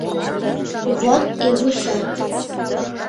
Вот и вучат.